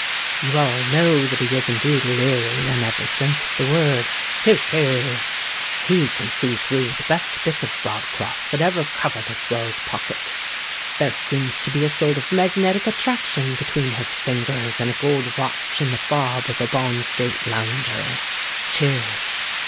You all know that he is indeed leary in every sense of the word. (Hear! hear!) He can see through the best bit of broad cloth that ever covered a swell's pocket. There seems to be a sort of magnetic attraction between his fingers and a gold watch in the fob of a Bond Street lounger. (Cheers.)